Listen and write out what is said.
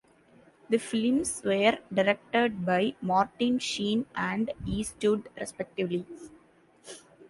The films were directed by Martin Sheen and Eastwood, respectively.